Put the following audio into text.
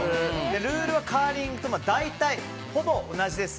ルールはカーリングと大体ほぼ同じです。